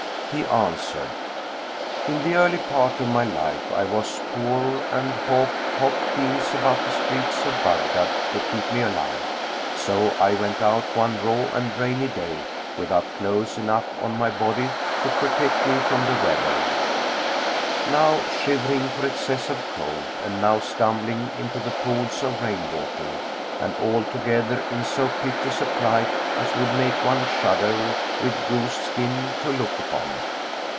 He answered: "In the early part of my life I was poor and hawked hot beans[FN#226] about the streets of Baghdad to keep me alive. So I went out one raw and rainy day, without clothes enough on my body to protect me from the weather; now shivering for excess of cold and now stumbling into the pools of rain water, and altogether in so piteous a plight as would make one shudder with goose skin to look upon.